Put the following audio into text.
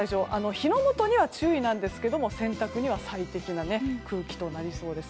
火の元には注意なんですが洗濯には最適な空気となりそうです。